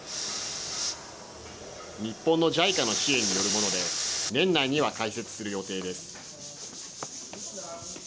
日本のＪＩＣＡの支援によるもので年内には開設する予定です。